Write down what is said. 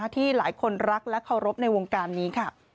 ที่หลายคนรักและเคารพในวงการนี้ค่ะ